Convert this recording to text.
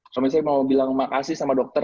suami saya mau bilang makasih sama dokter